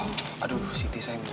oh aduh siti sayang